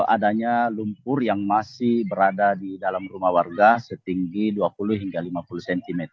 adanya lumpur yang masih berada di dalam rumah warga setinggi dua puluh hingga lima puluh cm